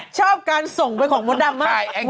ชอบการส่งไปของมดดำมาก